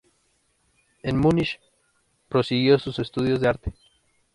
En Múnich prosiguió sus estudios de arte.